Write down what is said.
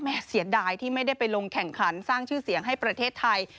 เสียดายที่ไม่ได้ไปลงแข่งขันสร้างชื่อเสียงให้ประเทศไทย